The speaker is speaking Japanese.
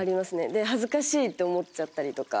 ではずかしいって思っちゃったりとか。